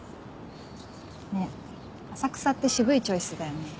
ねえ浅草って渋いチョイスだよね。